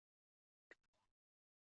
主动开放空间给灾民使用